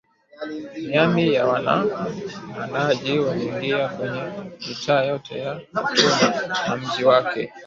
Mamia ya waandamanaji waliingia kwenye mitaa yote ya Khartoum na mji wake